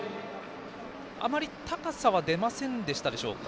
あまり高さは出ませんでしたでしょうか。